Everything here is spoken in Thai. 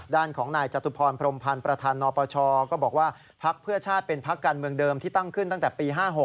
ด้านของนายจตุพรพรมพันธ์ประธานนปชก็บอกว่าพักเพื่อชาติเป็นพักการเมืองเดิมที่ตั้งขึ้นตั้งแต่ปี๕๖